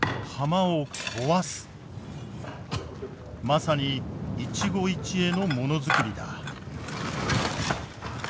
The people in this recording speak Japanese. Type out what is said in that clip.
まさに一期一会のものづくりだ。